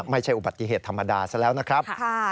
ไม่ใช่อุบัติเหตุธรรมดาซะแล้วนะครับ